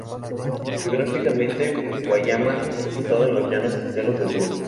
Geográficamente, Guayama está situado en los llanos costeros del sur.